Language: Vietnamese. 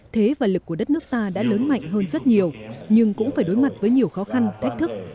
thế và lực của đất nước ta đã lớn mạnh hơn rất nhiều nhưng cũng phải đối mặt với nhiều khó khăn thách thức